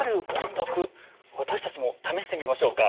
私たちも試してみましょうか。